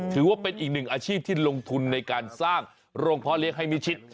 ถือว่าเป็นอีกหนึ่งอาชีพที่ลงทุนในการสร้างโรงพ่อเลี้ยงให้มิชิด